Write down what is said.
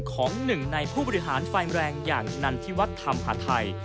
ของหนึ่งในผู้บริหารไฟแรงอย่างนันทิวัฒนธรรมหาไทย